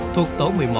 thuộc tổ một mươi một